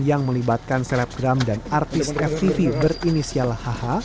yang melibatkan selebgram dan artis ftv berinisial hh